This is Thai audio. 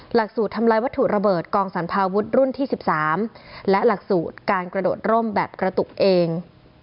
หลักสูตรทำลายวัตถุระเบิดกองสรรพาวุฒิรุ่นที่๑๓และหลักสูตรการกระโดดร่มแบบกระตุกเอง